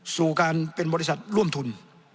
สู่การเป็นบริษัทร่วมทุน